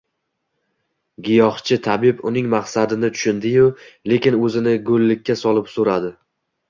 Giyohchi-tabib uning maqsadini tushundi-yu, lekin oʻzini goʻllikka solib soʻradi